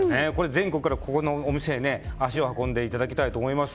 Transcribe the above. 全国からこのお店に足を運んでいただきたいと思います。